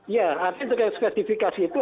iya artinya spesifikasi itu